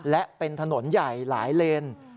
และเป็นถนนใหญ่หลายเลน